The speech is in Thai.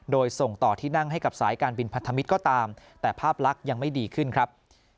โดยส่งต่อที่นั่งให้กับสายการบินพันธมิตรก็ตามแต่ภาพลักษณ์ยังไม่ดีขึ้นครับ